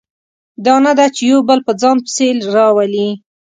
دا نه ده چې یو بل په ځان پسې راولي.